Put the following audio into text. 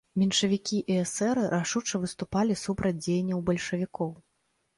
Меншавікі і эсэры рашуча выступалі супраць дзеянняў бальшавікоў.